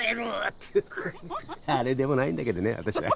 誰でもないんだけどね私は。